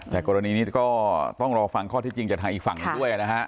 แต่กรณีนี้ก็ต้องรอฟังข้อที่จริงจากทางอีกฝั่งหนึ่งด้วยนะฮะ